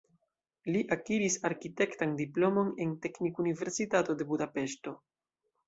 Li akiris arkitektan diplomon en Teknikuniversitato de Budapeŝto.